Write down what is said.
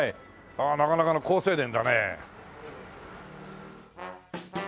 ああなかなかの好青年だね。